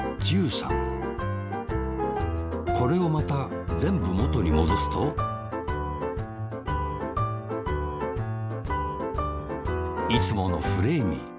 これをまたぜんぶもとにもどすといつものフレーミー。